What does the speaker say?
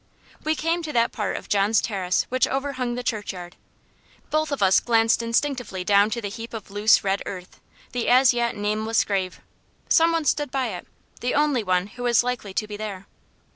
We came to that part of John's terrace which overhung the churchyard. Both of us glanced instinctively down to the heap of loose red earth the as yet nameless grave. Some one stood beside it the only one who was likely to be there.